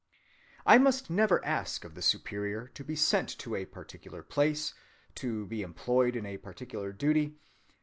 "I must never ask of the Superior to be sent to a particular place, to be employed in a particular duty....